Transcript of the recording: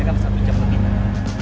ya kan bisa lebih cepat